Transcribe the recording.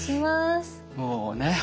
もうね